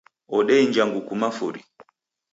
Odeinja nguku mafuri